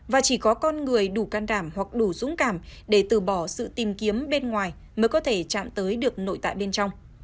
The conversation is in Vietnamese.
và chỉ có con người đủ can đảm hoặc đủ dũng cảm để từ bỏ sự tìm kiếm bên ngoài mới có thể chạm tới được nội tại bên trong